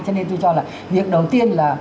cho nên tôi cho là việc đầu tiên là